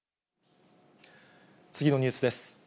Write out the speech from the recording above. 次のニュースです。